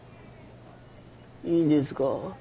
いいんですか？